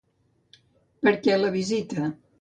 Per què la visita?